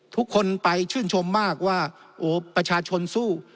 ทุกคนไปชื่นชมมากว่าโอ้ประชาชนสู้